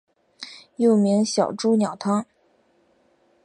又名小朱鸟汤。